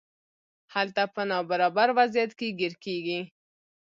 هلته په نابرابر وضعیت کې ګیر کیږي.